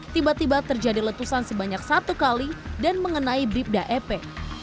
tiba tiba terjadi letusan sebanyak satu kali dan mengenai bribda ep